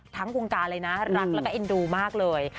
ทั้งวงการเลยนะรักแล้วก็เอ็นดูมากเลย